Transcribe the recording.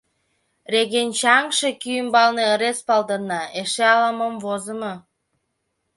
Регенчаҥше кӱ ӱмбалне ырес палдырна, эше ала-мом возымо.